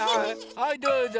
はいどうぞ！